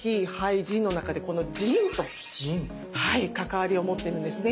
関わりを持ってるんですね。